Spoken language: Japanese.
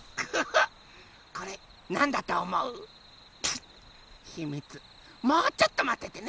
もうちょっとまっててね。